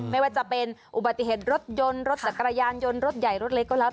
ไม่ว่าจะเป็นอุบัติเหตุรถยนต์รถจักรยานยนต์รถใหญ่รถเล็กก็แล้ว